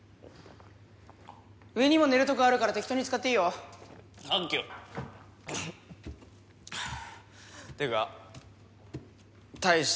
上にも寝るとこあるから適当に使っていいよサンキュっていうか大して知らないヤツ